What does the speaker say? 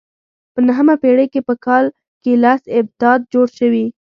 په نهمه پېړۍ کې په کال کې لس ابدات جوړ شوي.